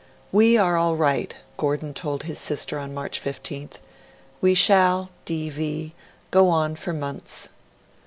'We are all right,' Gordon told his sister on March 15th. 'We shall, D. V., go on for months.'